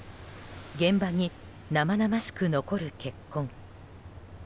現場に生々しく残る血痕。